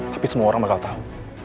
tapi semua orang bakal tahu